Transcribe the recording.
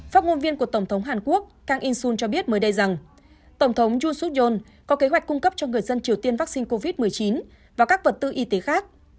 phát ngôn viên của tổng thống hàn quốc kang in sun cho biết mới đây rằng tổng thống jun suk yol có kế hoạch cung cấp cho người dân triều tiên vaccine covid một mươi chín và các vật tư y tế khác